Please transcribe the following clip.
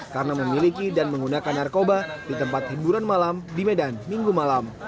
karena memiliki dan menggunakan narkoba di tempat hiburan malam di medan minggu malam